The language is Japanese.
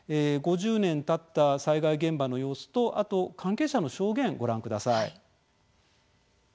５０年たった災害現場の様子とあと関係者の証言ご覧ください。